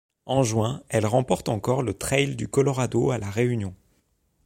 En juin, elle remporte encore le trail du Colorado, à La Réunion.